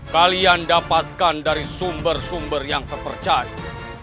kalian dapatkan dari sumber sumber yang terpercaya